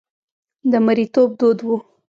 د مریتوب دود و.